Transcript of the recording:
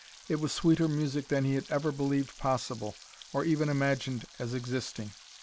It was sweeter music than he had ever believed possible or even imagined as existing.